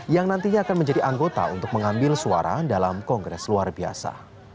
yang nantinya akan menjadi anggota untuk mengambil suara dalam kongres luar biasa